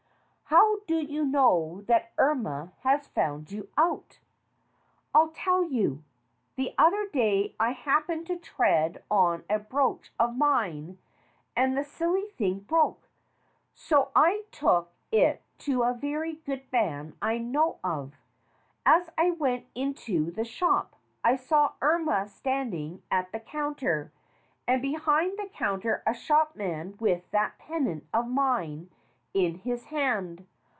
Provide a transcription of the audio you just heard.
"How do you know that Irma has found you out?" "I'll tell you. The other day I happened to tread on a brooch of mine and the silly thing broke; so I took it to a very good man I know of. As I went into the shop I saw Irma standing at the counter, and behind the counter a shopman with that pendant of mine in his hand.